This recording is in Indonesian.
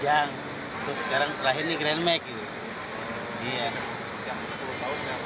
sepuluh tahun nggak mau